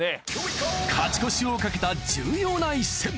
勝ち越しをかけた重要な一戦。